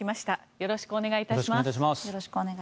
よろしくお願いします。